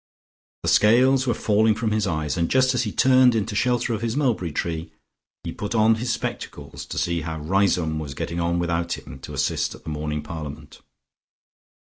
The scales were falling from his eyes, and just as he turned into shelter of his mulberry tree, he put on his spectacles to see how Riseholme was getting on without him to assist at the morning parliament.